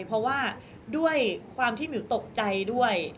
เพราะว่าด้วยความที่มิวตกใจด้วย